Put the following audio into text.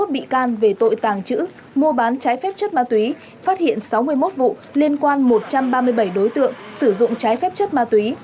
hai mươi một bị can về tội tàng trữ mua bán trái phép chất ma túy phát hiện sáu mươi một vụ liên quan một trăm ba mươi bảy đối tượng sử dụng trái phép chất ma túy